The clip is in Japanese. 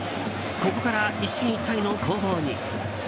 ここから一進一退の攻防に。